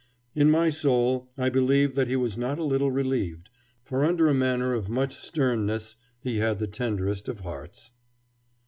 In my soul I believe that he was not a little relieved, for under a manner of much sternness he had the tenderest of hearts.